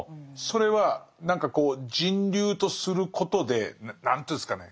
それは何かこう「人流」とすることで何ていうんですかね